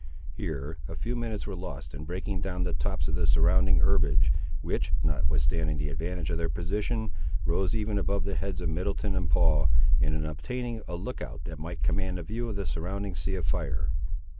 Here a few minutes were lost in breaking down the tops of the surrounding herbage, which, notwithstanding the advantage of their position, rose even above the heads of Middleton and Paul, and in obtaining a look out that might command a view of the surrounding sea of fire.